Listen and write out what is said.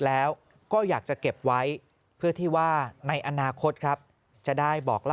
แล้วก็อยากจะเก็บไว้เพื่อที่ว่าในอนาคตครับจะได้บอกเล่า